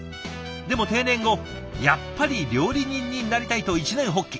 でも定年後やっぱり料理人になりたいと一念発起。